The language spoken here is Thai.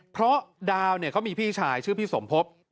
เพราะดาวเนี่ยเขามีพี่ชายชื่อพี่สมภพ